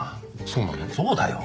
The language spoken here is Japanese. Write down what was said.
そうだよ。